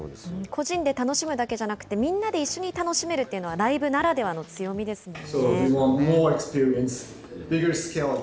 個人で楽しむだけじゃなくて、みんなで一緒に楽しめるというのが、ライブならではの強みですよね。